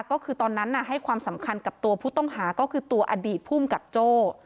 ก็คือตอนนั้นให้ความสำคัญกับตัวผู้ต้องหาก็คือตัวอดีตภูมิกับโจ้